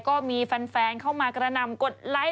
ก็มีแฟนเข้ามากระนำกดไลค์